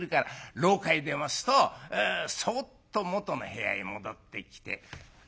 廊下へ出ますとそっともとの部屋へ戻ってきて。